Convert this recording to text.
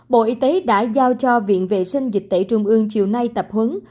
bộ y tế đã giao cho viện vệ sinh dịch tẩy trung ương chiều nay tập hứng